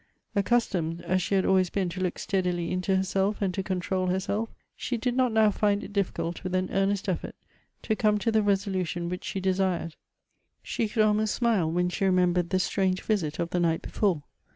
Accustomed as she had always been to look steadily into herself and to control herself, she did not now find it difficult, with an earnest effort, to come to the resolution which she desired. She could almost smile when she remembered the strange visit of the night before.